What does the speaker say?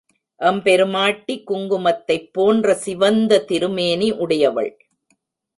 எம்பெருமாட்டி குங்குமத்தைப் போன்ற சிவந்த திருமேனி உடையவள்.